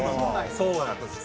そうなんです。